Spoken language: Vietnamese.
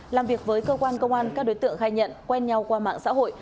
làm việc với cơ quan công an các đối tượng khai nhận quen nhau qua mạng xã hội